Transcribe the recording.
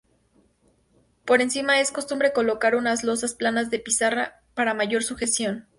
Por encima es costumbre colocar unas losas planas de pizarra para mayor sujeción.